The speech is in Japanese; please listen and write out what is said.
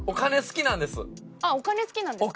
あっお金好きなんですか？